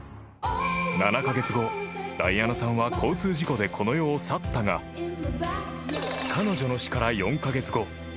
［７カ月後ダイアナさんは交通事故でこの世を去ったが彼女の死から４カ月後